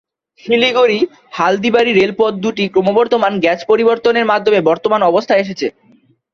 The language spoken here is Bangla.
শিলিগুড়ি-হালদিবাড়ি রেলপথ দুটি ক্রমবর্ধমান গেজ পরিবর্তনের মাধ্যমে বর্তমান অবস্থায় এসেছে।